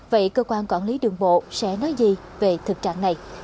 vậy cơ quan quản lý đường bộ sẽ nói gì về thực trạng này